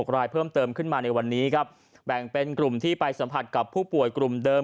รายเพิ่มเติมขึ้นมาในวันนี้ครับแบ่งเป็นกลุ่มที่ไปสัมผัสกับผู้ป่วยกลุ่มเดิม